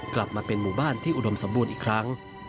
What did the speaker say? กลับมาเป็นหมู่บ้านที่อุดมสมบูรณ์อีกครั้ง